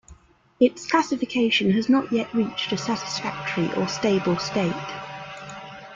Its classification has not yet reached a satisfactory or stable state.